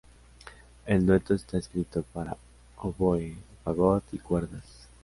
El dueto está escrito para oboe, fagot y cuerdas.